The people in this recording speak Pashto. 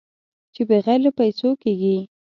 چې بغیر له پېسو کېږي.